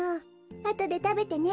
あとでたべてね。